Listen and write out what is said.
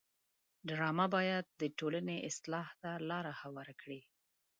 ډرامه باید د ټولنې اصلاح ته لاره هواره کړي